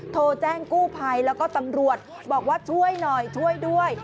โทรแจ้งกู้ภัยแล้วก็ตำรวจบอกว่าช่วยหน่อยช่วยด้วย